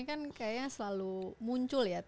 kan kayaknya selalu muncul ya